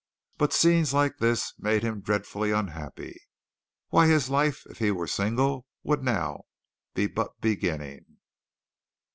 But scenes like these made him dreadfully unhappy. Why, his life if he were single would now be but beginning!